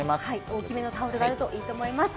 大きめのタオルがあるといいと思います。